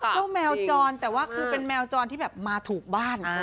เจ้าแมวจรแต่ว่ามันแจ้งแปงมาถูกบ้าน